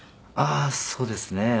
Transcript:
ああそうですね。